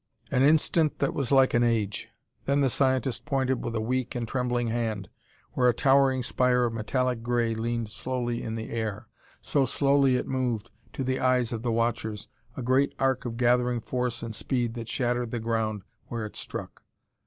An instant that was like an age; then the scientist pointed with a weak and trembling hand where a towering spire of metallic gray leaned slowly in the air. So slowly it moved, to the eyes of the watchers a great arc of gathering force and speed that shattered the ground where it struck.